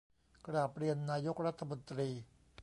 กราบเรียนนายกรัฐมนตรี